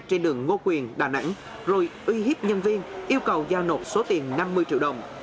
trên đường ngô quyền đà nẵng rồi uy hiếp nhân viên yêu cầu giao nộp số tiền năm mươi triệu đồng